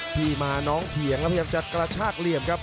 พี่มาน้องเถียงแล้วพยายามจะกระชากเหลี่ยมครับ